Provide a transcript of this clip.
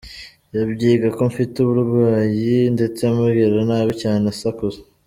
Yambwiye ko mfite uburwayi ndetse ambwira nabi cyane asakuza.